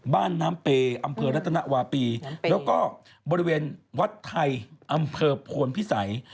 บ้านน้ำเปย์อำเภอรัตนวาปีแล้วก็บริเวณวัดไทยอำเภอโพนพิสัย